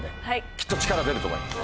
きっと力出ると思います。